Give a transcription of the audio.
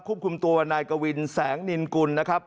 คุมตัวนายกวินแสงนินกุลนะครับ